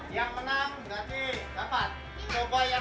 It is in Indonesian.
yang menang berarti dapat